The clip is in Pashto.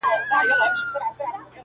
نه وم د رندانو په محفل کي مغان څه ویل؛